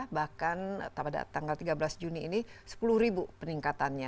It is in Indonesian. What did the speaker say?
bahkan pada tanggal tiga belas juni ini sepuluh ribu peningkatannya